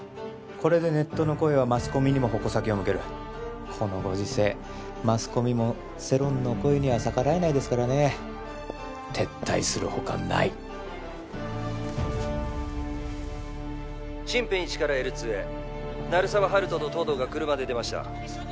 これでネットの声はマスコミにも矛先を向けるこのご時世マスコミも世論の声には逆らえないですからね撤退するほかないシンペン１からＬ２へ鳴沢温人と東堂が車で出ました